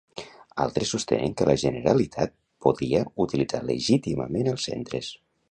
Altres sostenen que la Generalitat podia utilitzar legítimament els centres.